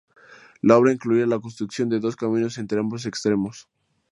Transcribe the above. La obra incluía la construcción de dos caminos entre ambos extremos.